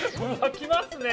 ◆来ますね。